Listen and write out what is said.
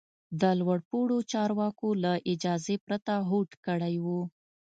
د لوړ پوړو چارواکو له اجازې پرته هوډ کړی و.